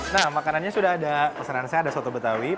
nah makanannya sudah ada pesanan saya ada soto betawi